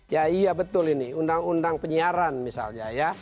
ya iya betul ini undang undang penyiaran misalnya ya